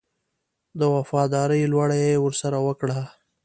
د وفاداري لوړه یې ورسره وکړه.